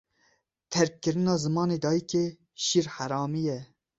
Terkkirina zimanê dayîkê, şîrheramî ye.